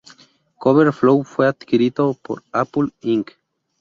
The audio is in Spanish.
Cover Flow fue adquirido por Apple Inc.